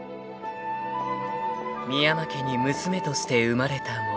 ［深山家に娘として生まれた者］